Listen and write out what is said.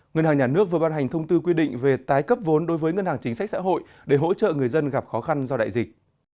ngân hàng nhà nước vừa ban hành thông tư quy định về tái cấp vốn đối với ngân hàng chính sách xã hội để hỗ trợ người dân gặp khó khăn do đại dịch